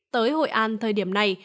tới hội an thời điểm này